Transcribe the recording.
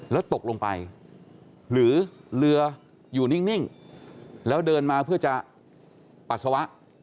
แล้วตกลงไปหรือเรืออยู่นิ่งแล้วเดินมาเพื่อจะปัสสาวะ